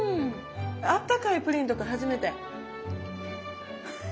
あったかいプリンとか初めて。